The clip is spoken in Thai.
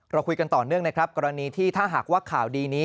เราคุยกันต่อเนื่องนะครับกรณีที่ถ้าหากว่าข่าวดีนี้